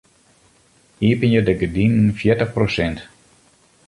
Iepenje de gerdinen fjirtich prosint.